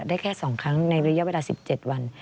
ได้แค่๒ครั้งในระยะเวลา๑๗วัน